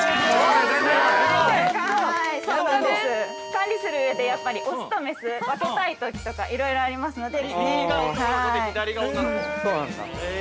◆管理する上で、やっぱりオスとメスを分けたいときとかいろいろありますので。